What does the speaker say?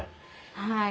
はい。